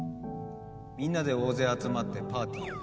みんなで大勢集まってパーティーをやる。